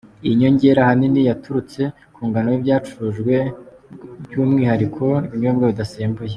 Iyi nyongera ahanini yaturutse ku ngano y’ibyacurujwe by’umwihariko ibinyobwa bidasembuye.